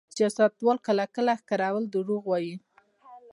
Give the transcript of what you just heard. سیاستوال کله کله ښکرور دروغ وايي.